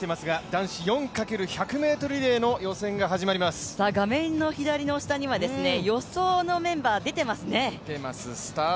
男子４ｘ１００ｍリレーの画面の左の下には予想のメンバー出ていますね。